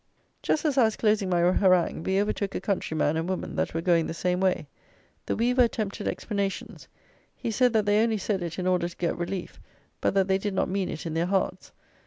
Just as I was closing my harangue, we overtook a country man and woman that were going the same way. The weaver attempted explanations. He said that they only said it in order to get relief; but that they did not mean it in their hearts.